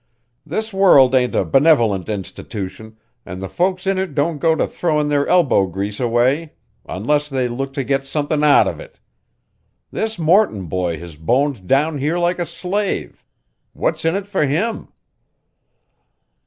This world ain't a benevolent institution, an' the folks in it don't go throwin' their elbow grease away unless they look to get somethin' out of it. This Morton boy has boned down here like a slave. What's in it fur him?"